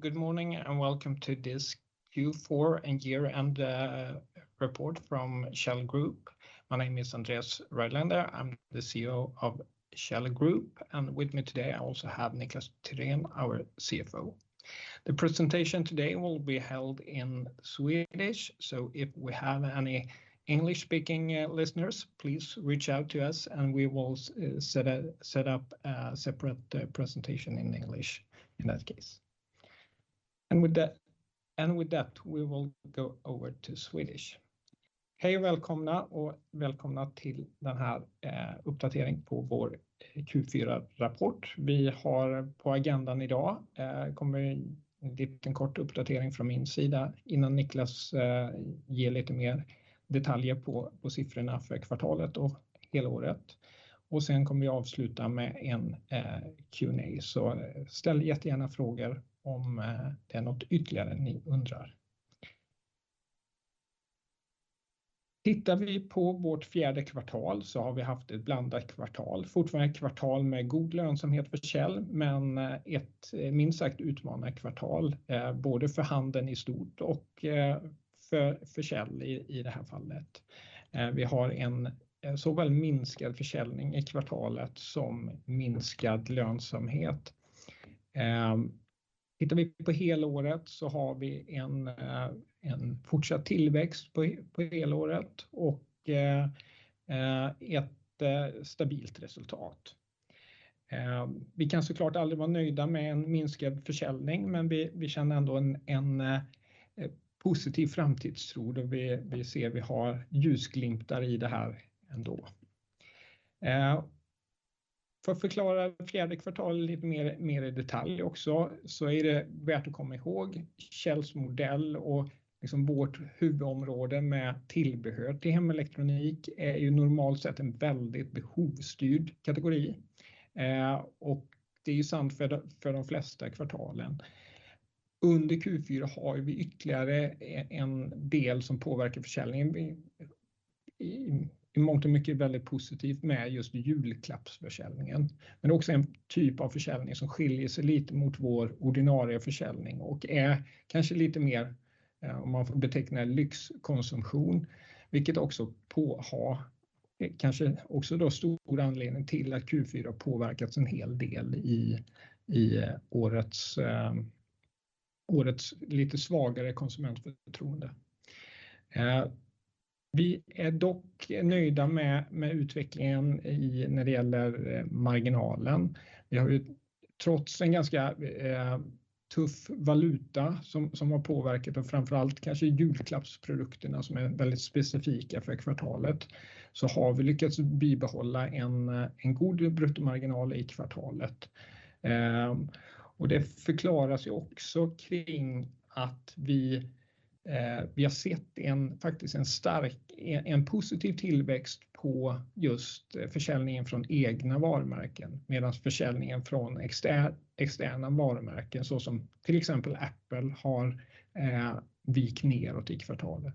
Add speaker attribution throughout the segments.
Speaker 1: Good morning. Welcome to this Q4 and year end report from Kjell Group. My name is Andreas Rylander. I'm the CEO of Kjell Group. With me today, I also have Niklas Tyrén, our CFO. The presentation today will be held in Swedish, so if we have any English-speaking listeners, please reach out to us, and we will set up a separate presentation in English in that case. With that, we will go over to Swedish. Hej och välkomna till den här uppdatering på vår Q4-rapport. Vi har på agendan i dag. En kort uppdatering från min sida innan Niklas ger lite mer detaljer på siffrorna för kvartalet och helåret. Sen kommer vi avsluta med en Q&A. Ställ jättegärna frågor om det är något ytterligare ni undrar. Tittar vi på vårt fjärde kvartal så har vi haft ett blandat kvartal. Fortfarande ett kvartal med god lönsamhet för Kjell, men ett minst sagt utmanat kvartal, både för handeln i stort och för Kjell i det här fallet. Vi har en såväl minskad försäljning i kvartalet som minskad lönsamhet. Tittar vi på helåret så har vi en fortsatt tillväxt på helåret och ett stabilt resultat. Vi kan så klart aldrig vara nöjda med en minskad försäljning, men vi känner ändå en positiv framtidstro. Vi ser vi har ljusglimtar i det här ändå. För att förklara fjärde kvartalet lite mer i detalj också så är det värt att komma ihåg Kjells modell och liksom vårt huvudområde med tillbehör till hemelektronik är ju normalt sett en väldigt behovsstyrd kategori. Det är ju sant för de flesta kvartalen. Under Q4 har vi ytterligare en del som påverkar försäljningen. I mångt och mycket väldigt positivt med just julklappsförsäljningen. Också en typ av försäljning som skiljer sig lite mot vår ordinarie försäljning och är kanske lite mer, om man får beteckna lyxkonsumtion, vilket också Kanske också då stor anledning till att Q4 har påverkats en hel del i årets lite svagare konsumentförtroende. Vi är dock nöjda med utvecklingen när det gäller marginalen. Vi har ju trots en ganska tuff valuta som har påverkat och framför allt kanske julklappsprodukterna som är väldigt specifika för kvartalet, så har vi lyckats bibehålla en god bruttomarginal i kvartalet. Och det förklaras ju också kring att vi har sett en, faktiskt en stark, en positiv tillväxt på just försäljningen från egna varumärken. Medans försäljningen från externa varumärken, såsom till exempel Apple, har vik neråt i kvartalet.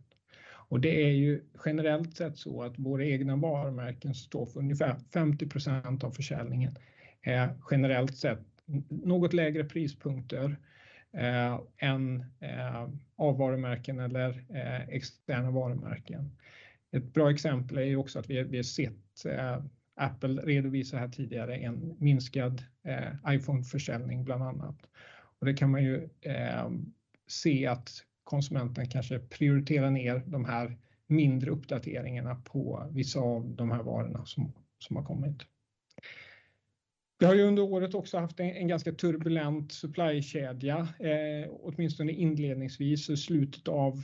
Speaker 1: Och det är ju generellt sett så att våra egna varumärken står för ungefär 50% av försäljningen. Generellt sett något lägre prispunkter än A-varumärken eller externa varumärken. Ett bra exempel är ju också att vi har sett Apple redovisa här tidigare en minskad iPhone-försäljning bland annat. Och det kan man ju se att konsumenten kanske prioriterar ner de här mindre uppdateringarna på vissa av de här varorna som har kommit. Vi har ju under året också haft en ganska turbulent supply-kedja. Åtminstone inledningsvis i slutet av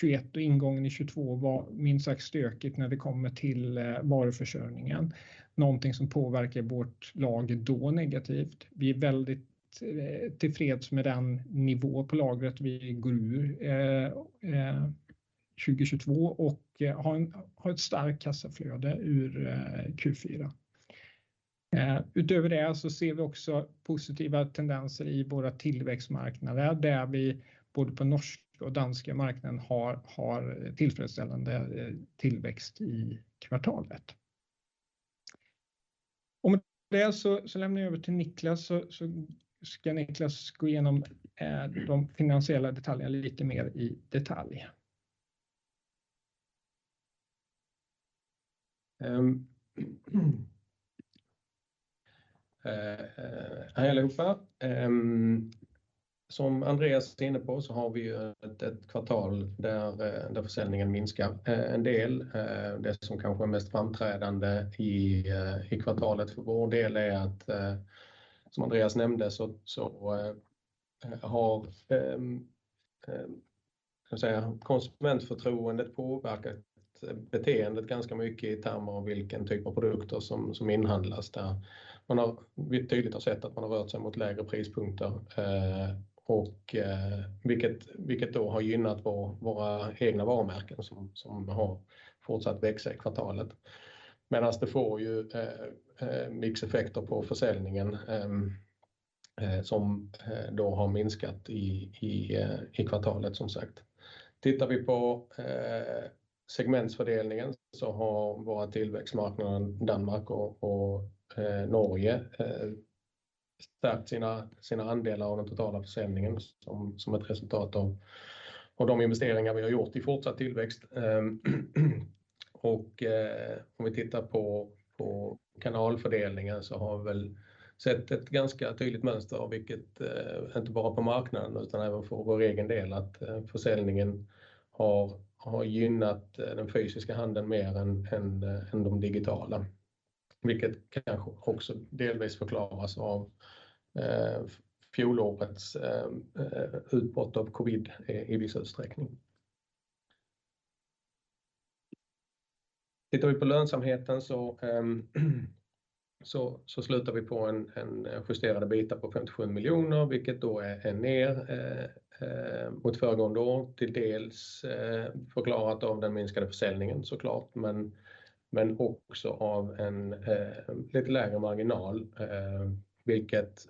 Speaker 1: 2021 och ingången i 2022 var minst sagt stökigt när det kommer till varuförsörjningen. Någonting som påverkar vårt lager då negativt. Vi är väldigt tillfreds med den nivå på lagret vi går ur 2022 och har ett starkt kassaflöde ur Q4. Utöver det så ser vi också positiva tendenser i våra tillväxtmarknader, där vi både på norsk och danska marknaden har tillfredsställande tillväxt i kvartalet. Med det så lämnar jag över till Niklas. Ska Niklas gå igenom de finansiella detaljerna lite mer i detalj.
Speaker 2: Hej allihopa. Som Andreas är inne på så har vi ett kvartal där försäljningen minskar en del. Det som kanske är mest framträdande i kvartalet för vår del är att, som Andreas nämnde, ska vi säga konsumentförtroendet påverkat beteendet ganska mycket i termer av vilken typ av produkter inhandlas. Där vi tydligt har sett att man har rört sig mot lägre prispunkter, och vilket då har gynnat våra egna varumärken som har fortsatt växa i kvartalet. Medans det får ju mixeffekter på försäljningen som då har minskat i kvartalet som sagt. Tittar vi på segmentsfördelningen så har våra tillväxtmarknader Danmark och Norge stärkt sina andelar av den totala försäljningen som ett resultat av de investeringar vi har gjort i fortsatt tillväxt. Om vi tittar på kanalfördelningen så har vi väl sett ett ganska tydligt mönster av vilket inte bara på marknaden utan även för vår egen del att försäljningen har gynnat den fysiska handeln mer än de digitala. Vilket kanske också delvis förklaras av fjolårets utbrott av covid i viss utsträckning. Tittar vi på lönsamheten så slutar vi på en justerad EBITDA på 57 million, vilket då är ner mot föregående år. Till dels förklarat av den minskade försäljningen så klart, men också av en lite lägre marginal. Vilket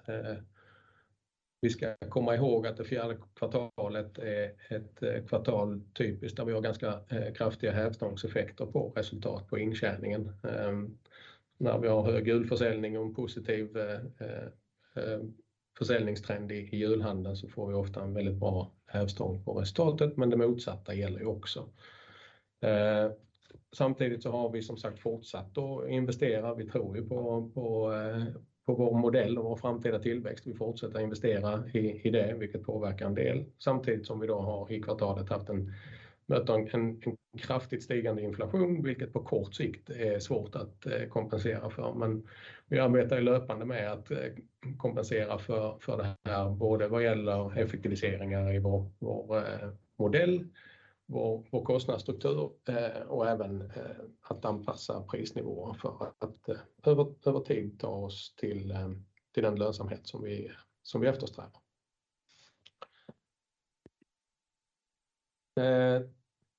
Speaker 2: vi ska komma ihåg att det fjärde kvartalet är ett kvartal typiskt där vi har ganska kraftiga hävstångseffekter på resultat på intjäningen. När vi har hög julförsäljning och en positiv försäljningstrend i julhandeln så får vi ofta en väldigt bra hävstång på resultatet, men det motsatta gäller ju också. Samtidigt har vi som sagt fortsatt att investera. Vi tror ju på vår modell och vår framtida tillväxt. Vi fortsätter investera i det vilket påverkar en del. Samtidigt som vi då har i kvartalet mött en kraftigt stigande inflation, vilket på kort sikt är svårt att kompensera för. Vi arbetar löpande med att kompensera för det här, både vad gäller effektiviseringar i vår modell, vår kostnadsstruktur, och även att anpassa prisnivåer för att över tid ta oss till den lönsamhet som vi eftersträvar.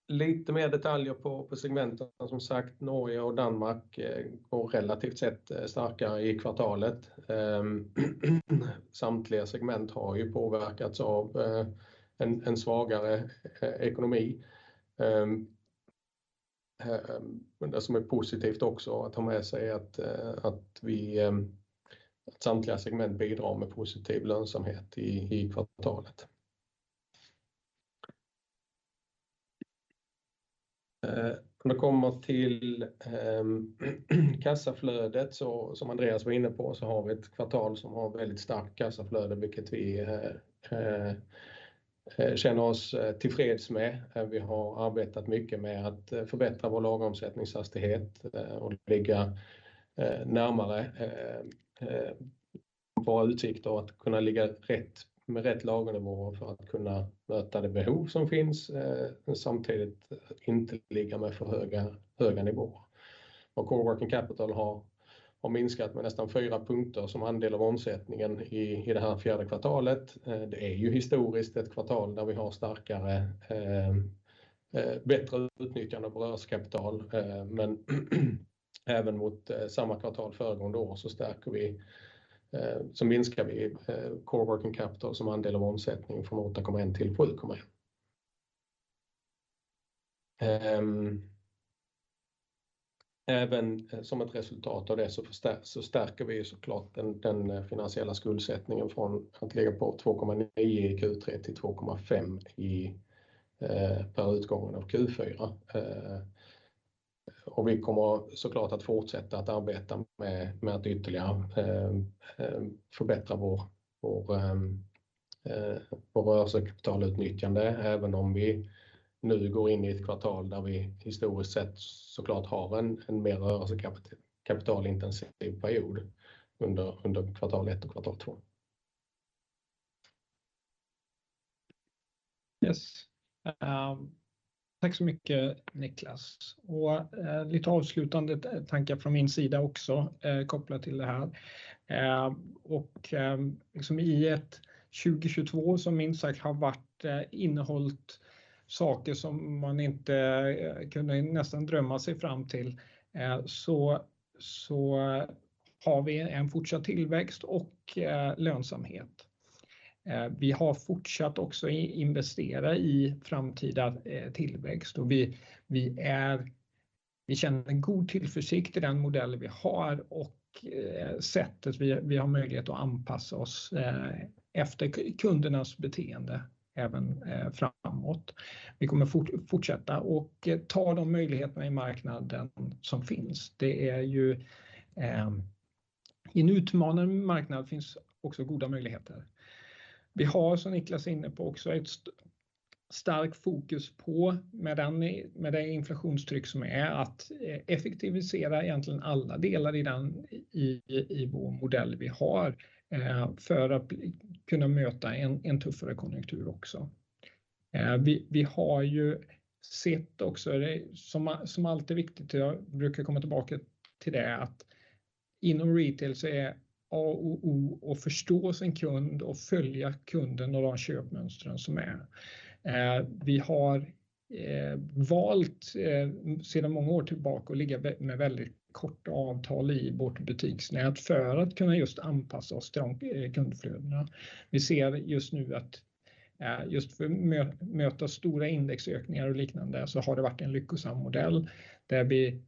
Speaker 2: Lite mer detaljer på segmenten. Som sagt, Norge och Danmark går relativt sett starka i kvartalet. Samtliga segment har ju påverkats av en svagare ekonomi. Men det som är positivt också att ta med sig är att vi, att samtliga segment bidrar med positiv lönsamhet i kvartalet. När det kommer till kassaflödet så som Andreas Rylander var inne på så har vi ett kvartal som har väldigt starkt kassaflöde, vilket vi känner oss tillfreds med. Vi har arbetat mycket med att förbättra vår lageromsättningshastighet, och ligga närmare våra utsikter att kunna ligga rätt, med rätt lagernivåer för att kunna möta det behov som finns. Samtidigt inte ligga med för höga nivåer. Vår core working capital har minskat med nästan 4 punkter som andel av omsättningen i det här fourth quarter. Det är ju historiskt ett kvartal där vi har starkare, bättre utnyttjande på rörelsekapital. Men även mot samma kvartal föregående år så minskar vi core working capital som andel av omsättning från 8.1 till 7.1. Även som ett resultat av det så stärker vi så klart den finansiella skuldsättningen från att ligga på 2.9 i Q3 till 2.5 per utgången av Q4. Vi kommer så klart att fortsätta att arbeta med att ytterligare förbättra vårt rörelsekapitalutnyttjande, även om vi nu går in i ett kvartal där vi historiskt sett så klart har en mer rörelsekapitalintensiv period under kvartal 1 och kvartal 2.
Speaker 1: Yes. Tack så mycket Niklas. Och lite avslutande tankar från min sida också, kopplat till det här. Och liksom i ett 2022 som minst sagt har varit, innehållit saker som man inte kunde nästan drömma sig fram till, så har vi en fortsatt tillväxt och lönsamhet. Vi har fortsatt också investera i framtida tillväxt. Och vi är, vi känner en god tillförsikt i den modellen vi har och sättet vi har möjlighet att anpassa oss efter kundernas beteende även framåt. Vi kommer fortsätta och ta de möjligheterna i marknaden som finns. Det är ju i en utmanande marknad finns också goda möjligheter. Vi har som Niklas är inne på också ett starkt fokus på med det inflationstryck som är att effektivisera egentligen alla delar i vår modell vi har, för att kunna möta en tuffare konjunktur också. Vi har ju sett också det som alltid är viktigt och jag brukar komma tillbaka till det, att inom retail så är A och O att förstå sin kund och följa kunden och de köpmönstren som är. Vi har valt sedan många år tillbaka att ligga med väldigt korta avtal i vårt butiksnät för att kunna just anpassa oss till de kundflödena. Vi ser just nu att, just möta stora indexökningar och liknande så har det varit en lyckosam modell där vi,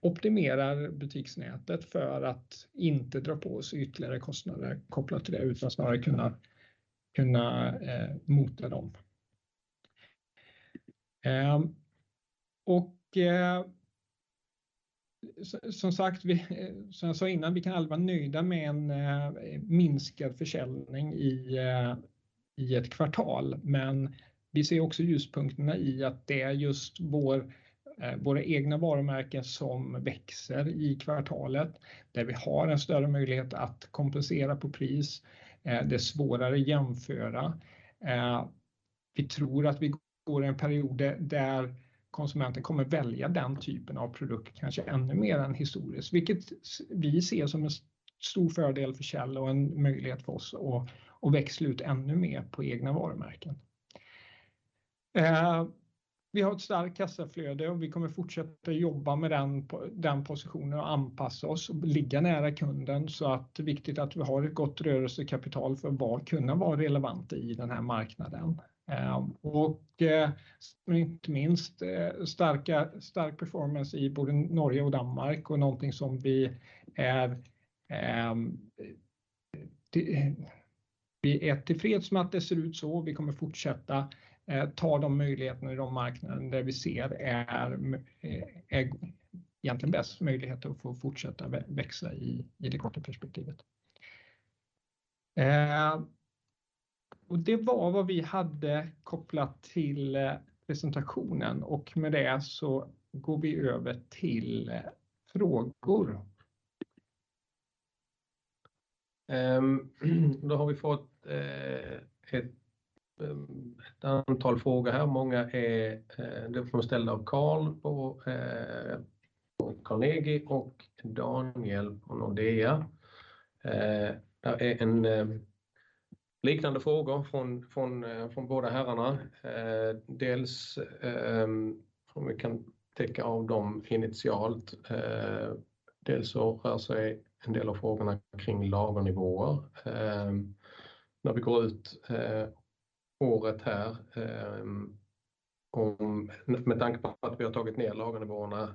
Speaker 1: optimerar butiksnätet för att inte dra på oss ytterligare kostnader kopplat till det, utan snarare kunna mota dem.
Speaker 2: Som sagt, vi, som jag sa innan, vi kan aldrig vara nöjda med en minskad försäljning i ett kvartal. Vi ser också ljuspunkterna i att det är just våra egna varumärken som växer i kvartalet, där vi har en större möjlighet att kompensera på pris. Är det svårare att jämföra. Vi tror att vi går i en period där konsumenten kommer välja den typen av produkt, kanske ännu mer än historiskt, vilket vi ser som en stor fördel för Kjell och en möjlighet för oss att växa ut ännu mer på egna varumärken. Vi har ett starkt kassaflöde och vi kommer fortsätta jobba med den positionen och anpassa oss och ligga nära kunden. Det är viktigt att vi har ett gott rörelsekapital för att kunna vara relevanta i den här marknaden. Inte minst stark performance i både Norge och Danmark och någonting som Vi är tillfreds med att det ser ut så. Vi kommer fortsätta ta de möjligheterna i de marknaden där vi ser är egentligen bäst möjligheter att få fortsätta växa i det korta perspektivet. Det var vad vi hade kopplat till presentationen. Med det går vi över till frågor. Har vi fått ett antal frågor här. Många de är ställda av Carl på Carnegie och Daniel på Nordea. Det är en liknande frågor från båda herrarna. Dels om vi kan ticka av dem initialt. Dels rör sig en del av frågorna kring lagernivåer. När vi går ut året här om med tanke på att vi har tagit ner lagernivåerna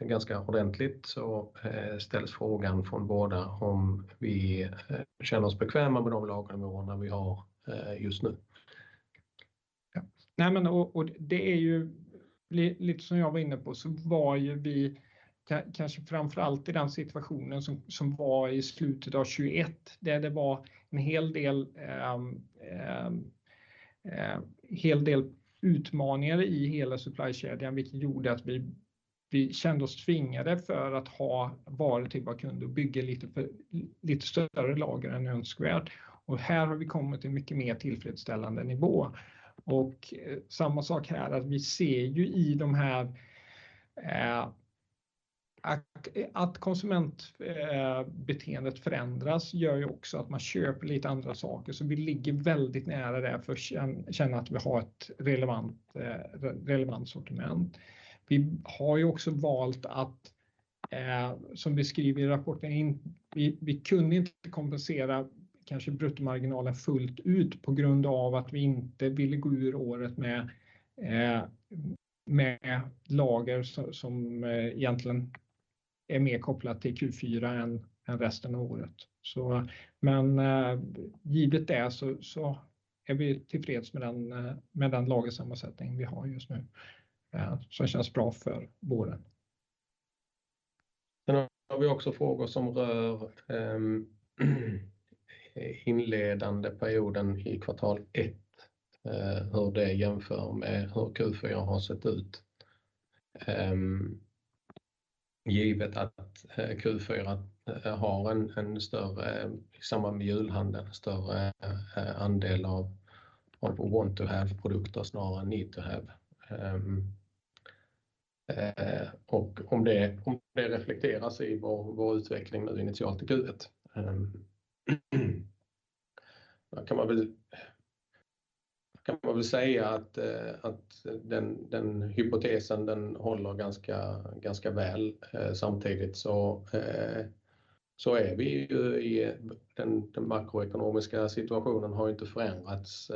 Speaker 2: ganska ordentligt, så ställs frågan från båda om vi känner oss bekväma med de lagernivåerna vi har just nu.
Speaker 1: Nej men och det är ju lite som jag var inne på så var ju vi kanske framför allt i den situationen som var i slutet av 21. Där det var en hel del utmaningar i hela supply chain, vilket gjorde att vi kände oss tvingade för att ha varor till vår kund och bygga lite större lager än önskvärt. Här har vi kommit till mycket mer tillfredsställande nivå. Samma sak här att vi ser ju i de här... att konsumentbeteendet förändras gör ju också att man köper lite andra saker. Vi ligger väldigt nära det för att känna att vi har ett relevant sortiment. Vi har ju också valt att, som vi skriver i rapporten, vi kunde inte kompensera kanske bruttomarginalen fullt ut på grund av att vi inte ville gå ur året med lager som egentligen är mer kopplat till Q4 än resten av året. Givet det så är vi tillfreds med den, med den lagersammansättning vi har just nu. Som känns bra för både.
Speaker 2: Har vi också frågor som rör inledande perioden i kvartal ett, hur det jämför med hur Q4 har sett ut. Givet att Q4 har en större i samband med julhandeln, större andel av want to have-produkter snarare än need to have. Och om det reflekteras i vår utveckling nu initialt i Q1. Där kan man väl säga att den hypotesen, den håller ganska väl. Samtidigt så är vi ju i den makroekonomiska situationen har ju inte förändrats.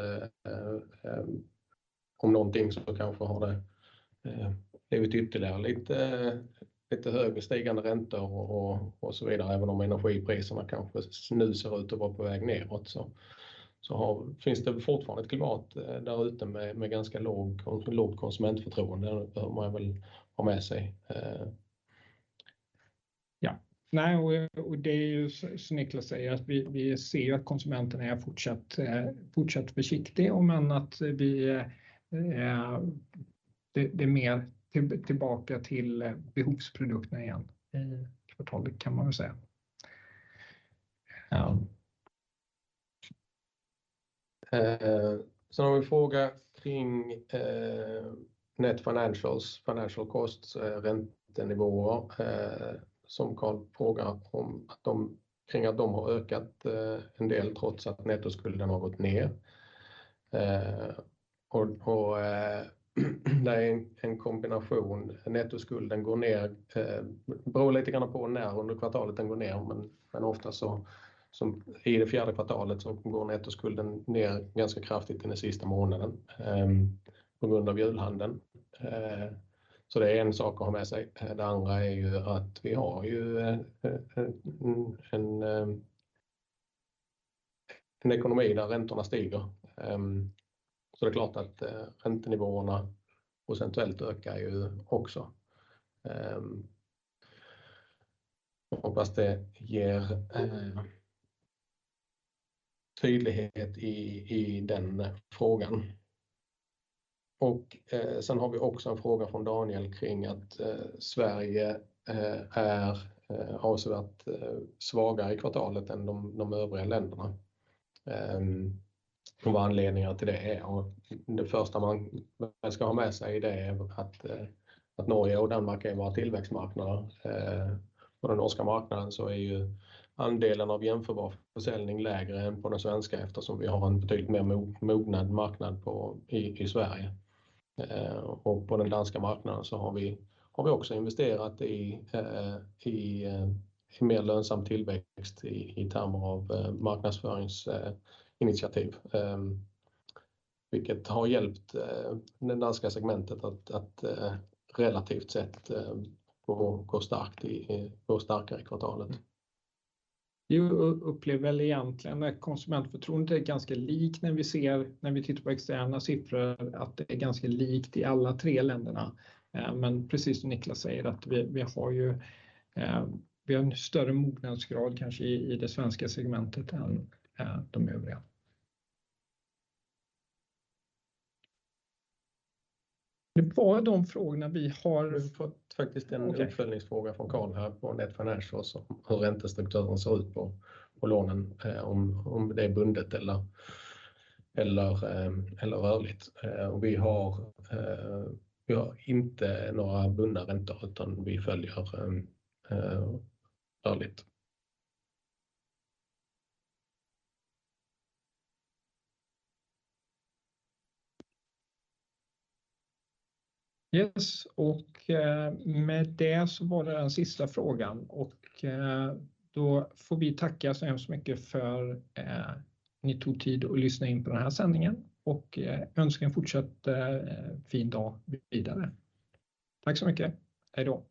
Speaker 2: Om någonting så kanske har det blivit ytterligare lite högre stigande räntor och så vidare. Även om energipriserna kanske nu ser ut att vara på väg nedåt. Finns det fortfarande ett klimat där ute med ganska lågt konsumentförtroende. Det behöver man väl ha med sig.
Speaker 1: Det är ju som Niklas Tyrén säger att vi ser att konsumenten är fortsatt försiktig. Men att vi... Det är mer tillbaka till behovsprodukterna igen i kvartalet kan man väl säga.
Speaker 2: Ja. Sen har vi en fråga kring net financials, financial costs, räntenivåer, som Carl frågar kring att de har ökat en del trots att nettoskulden har gått ner. Det är en kombination. Nettoskulden går ner, beror lite grann på när under kvartalet den går ner, men oftast så, som i det fjärde kvartalet så går nettoskulden ner ganska kraftigt i den sista månaden, på grund av julhandeln. Det är en sak att ha med sig. Det andra är ju att vi har ju en ekonomi där räntorna stiger. Det är klart att räntenivåerna procentuellt ökar ju också. Jag hoppas det ger tydlighet i den frågan. Sen har vi också en fråga från Daniel kring att Sverige har alltså varit svagare i kvartalet än de övriga länderna. Vad anledningar till det är. Det första man ska ha med sig i det är att Norge och Danmark är våra tillväxtmarknader. På den norska marknaden så är ju andelen av jämförbar försäljning lägre än på den svenska eftersom vi har en betydligt mer mognad marknad på, i Sverige. På den danska marknaden så har vi också investerat i mer lönsam tillväxt i termer av marknadsföringsinitiativ. Vilket har hjälpt det danska segmentet att relativt sett gå starkt i, gå starkare i kvartalet.
Speaker 1: Jo, upplever väl egentligen att konsumentförtroendet är ganska likt när vi tittar på externa siffror att det är ganska likt i alla tre länderna. precis som Niklas säger att vi har ju, vi har en större mognadsgrad kanske i det svenska segmentet än de övriga. Det var de frågorna vi har fått faktiskt en uppföljningsfråga från Carl här på net financials.
Speaker 2: Hur räntestrukturen ser ut på lånen, om det är bundet eller rörligt. Vi har inte några bundna räntor utan vi följer rörligt.
Speaker 1: Yes, med det var det den sista frågan. Då får vi tacka så hemskt mycket för ni tog tid att lyssna in på den här sändningen och önska en fortsatt fin dag vidare. Tack så mycket. Hejdå!